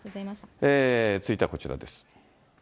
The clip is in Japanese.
続いてはこちらです。